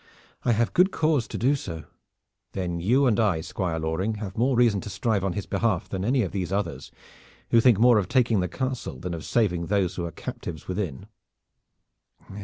"I have good cause so to do." "Then you and I, Squire Loring, have more reason to strive on his behalf than any of these others, who think more of taking the castle than of saving those who are captives within.